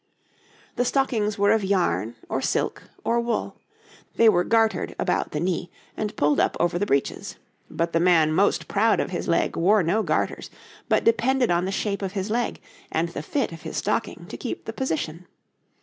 The stockings were of yarn, or silk, or wool. They were gartered about the knee, and pulled up over the breeches; but the man most proud of his leg wore no garters, but depended on the shape of his leg and the fit of his stocking to keep the position.